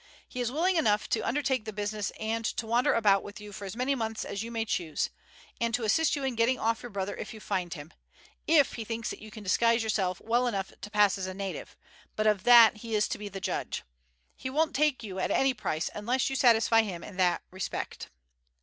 He is willing enough to undertake the business and to wander about with you for as many months as you may choose, and to assist you in getting off your brother if you find him, if he thinks that you can disguise yourself well enough to pass as a native, but of that he is to be the judge. He won't take you at any price unless you satisfy him in that respect."